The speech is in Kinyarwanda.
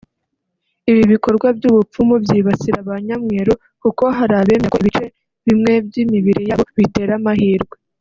Ibi bikorwa by’ubupfumu byibasira ba nyamweru kuko hari abemera ko ibice bimwe by’imibiri yabo bitera amahirwe